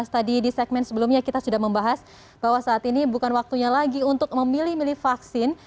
tadi di segmen sebelumnya kita sudah membahas bahwa saat ini bukan waktunya lagi untuk memilih milih vaksin